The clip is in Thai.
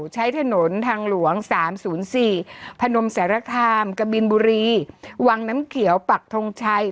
ใช้ถนนทางหลวง๓๐๔พนมสารคามกะบินบุรีวังน้ำเขียวปักทงชัย